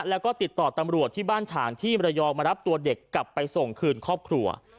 แล้วก็ติดต่อตำรวจที่บ้านฉางที่มรยองมารับตัวเด็กกลับไปส่งคืนครอบครัว